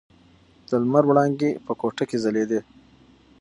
د لمر وړانګې په کوټه کې ځلېدې.